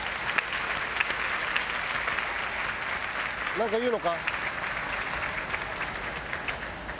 なんか言うのか？